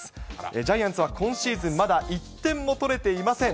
ジャイアンツは今シーズンまだ１点も取れていません。